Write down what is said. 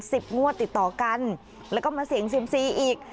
งวดติดต่อกันแล้วก็มาเสี่ยงเซียมซีอีก